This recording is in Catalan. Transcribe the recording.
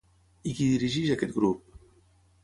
I qui dirigeix aquest grup?